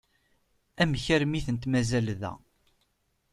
Amek armi i tent-mazal da?